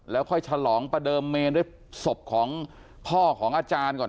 แล้วค่อยฉลองประเดิมเมนด้วยศพของพ่อของอาจารย์ก่อน